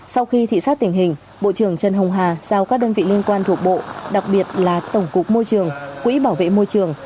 sau khi thị xác tình hình bộ trưởng trần hồng hà giao các đơn vị liên quan thuộc bộ đặc biệt là tổng cục môi trường quỹ bảo vệ môi trường